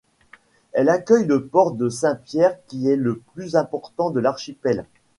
Elle accueille le port de Saint-Pierre qui est le plus important de l'archipel.